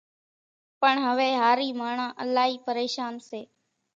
پڻ هويَ هارِي ماڻۿان الائِي پريشانَ سي۔